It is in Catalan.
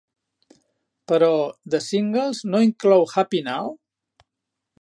Però, The Singles no inclou Happy Now?